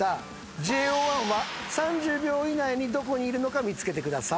ＪＯ１は３０秒以内にどこにいるのか見つけてください。